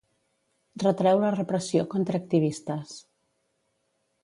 Retreu la repressió contra activistes.